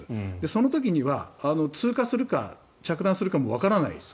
その時には通過するか着弾するかもわからない。